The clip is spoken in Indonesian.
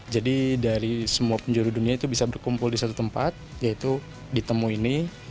jadi dari semua penjuru dunia itu bisa berkumpul di satu tempat yaitu di temui ini